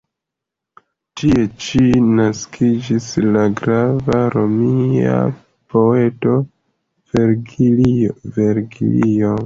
Tie ĉi naskiĝis la grava romia poeto Vergilio.